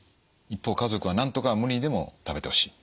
一方家族はなんとか無理にでも食べてほしい。